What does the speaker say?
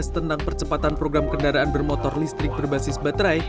tentang percepatan program kendaraan bermotor listrik berbasis baterai